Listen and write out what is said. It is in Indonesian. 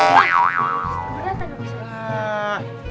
beneran tak bisa